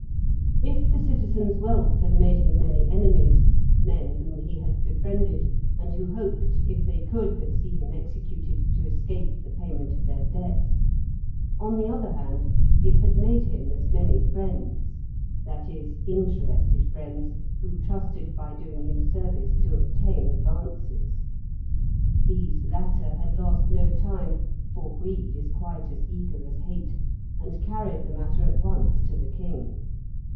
If the citizen's wealth had made him many enemies (men whom he had befriended, and who hoped, if they could be see him executed, to escape the payment of their debts), on the other hand, it had made him as many friends, that is, interested friends, who trusted by doing him service to obtain advances. These latter had lost no time, for greed is quite as eager as hate, and carried the matter at once to the king.